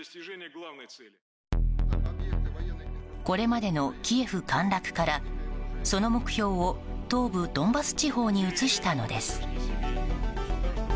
これまでのキエフ陥落からその目標を東部ドンバス地方に移したのです。